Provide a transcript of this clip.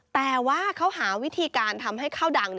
แต่ว่าเขาหาวิธีการทำให้ข้าวดัง